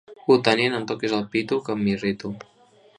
Butaner no em toquis el pito que m'irrito